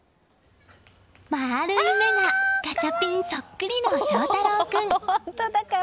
丸い目がガチャピンそっくりの菖太郎君。